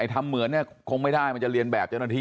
ทำเหมือนเนี่ยคงไม่ได้มันจะเรียนแบบเจ้าหน้าที่